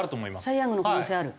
サイ・ヤングの可能性ある？